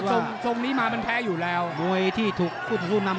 มั่นใจว่าจะได้แชมป์ไปพลาดโดนในยกที่สามครับเจอหุ้กขวาตามสัญชาตยานหล่นเลยครับ